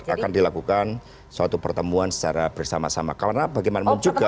akan dilakukan suatu pertemuan secara bersama sama karena bagaimanapun juga